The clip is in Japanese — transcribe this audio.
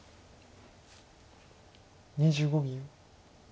２５秒。